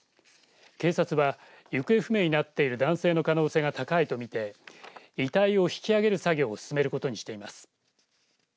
警察は行方不明になっている男性の可能性が高いと見て遺体を引き上げる作業を進めることにしています。